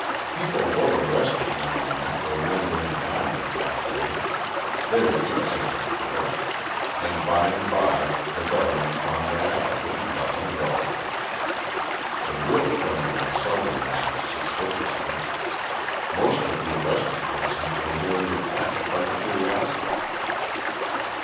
People were arrested now and then for lingering around the café: they were innocent, of course, and by and by the Government found that out and let them go. The real criminal seldom acts suspiciously. Most of the arrested persons were merely attracted by curiosity.